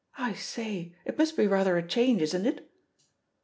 I say I it must be rather a change, isn't it?"